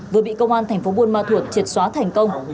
vừa bị công an thành phố buôn ma thuột triệt xóa thành công